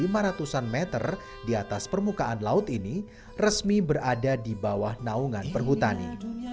lima ratus an meter di atas permukaan laut ini resmi berada di bawah naungan perhutani